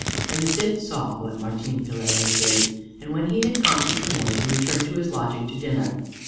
And the Cid saw what Martin Pelaez did, and when he had conquered the Moors he returned to his lodging to dinner.